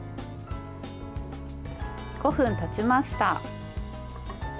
５分たちました。